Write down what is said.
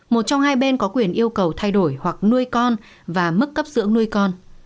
một trong hai bên có quyền yêu cầu thay đổi hoặc nuôi con và mức cấp dưỡng nuôi con